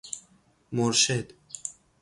مرشد